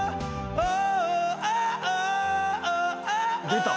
出た。